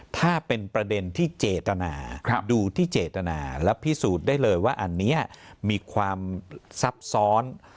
ถ้าเป็นประเด็นที่เจตนาดูที่เจตนาและพิสูจน์ได้เลยว่าอันนี้มีความซับซ้อน